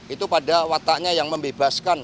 itu pada wataknya yang membebaskan